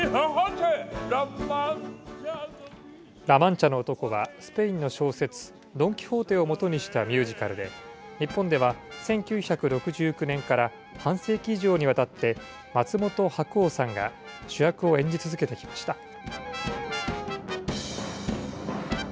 ラ・マンチャの男は、スペインの小説、ドン・キホーテを基にしたミュージカルで、日本では１９６９年から半世紀以上にわたって、松本白鸚さんが主役を演じ続けてきました。